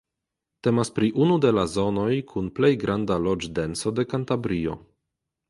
Temas pri unu de la zonoj kun plej granda loĝdenso de Kantabrio.